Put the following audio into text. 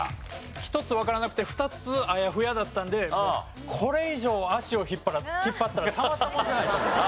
１つわからなくて２つあやふやだったんでこれ以上足を引っ張ったらたまったもんじゃないと思って。